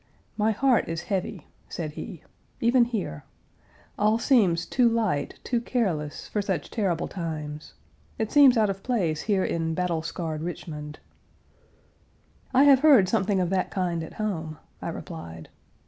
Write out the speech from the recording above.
"My heart is heavy," said he, "even here. All seems too light, too careless, for such terrible times. It seems out of place here in battle scarred Richmond." "I have heard something of that kind at home," I replied.